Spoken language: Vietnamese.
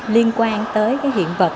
liên quan tới hiện vật